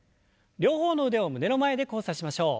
両方の腕を胸の前で交差しましょう。